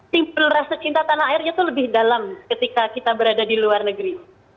simpel rasa cinta tanah airnya itu lebih dalam ketika kita berada di luar negeri